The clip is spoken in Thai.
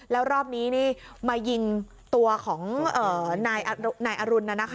แล้วรอบนี้มายิงตัวของนายอรุณนะนะคะ